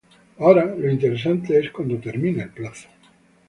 ahora lo interesante es, cuando termine el plazo.